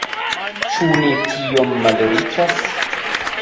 Ĉu ni tiom malriĉas?